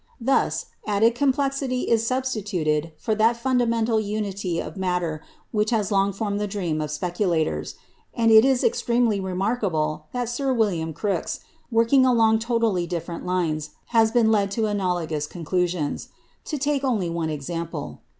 Thus, added complexity is substituted for that fundamental unity of matter which has long formed the dream of speculators. And it is extremely remarkable that Sir William Crookes, working along totally different lines, has been led to analogous conclusions. To take only one example.